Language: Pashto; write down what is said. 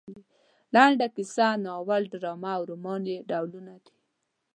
لنډه کیسه ناول ډرامه او رومان یې ډولونه دي.